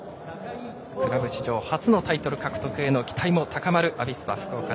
クラブ史上初のタイトル獲得への期待も高まるアビスパ福岡。